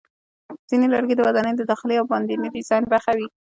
ځینې لرګي د ودانیو د داخلي او باندني ډیزاین برخه وي.